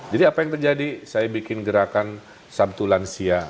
jadi apa yang terjadi saya bikin gerakan sabtu lansia